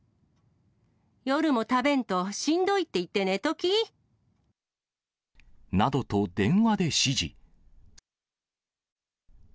夜も食べんとしんどいって言って、寝とき。などと電話で指示。